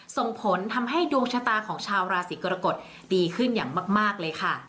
ส่งผลทำให้ดวงชะตาของชาวราศีกรกฎดีขึ้นอย่างมากเลยค่ะ